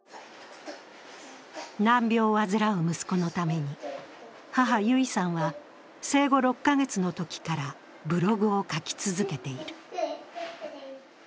難病を患う息子のために、母・結衣さんは生後６か月のときからブログを書き続けている。